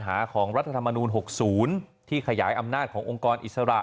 หาของรัฐธรรมนูล๖๐ที่ขยายอำนาจขององค์กรอิสระ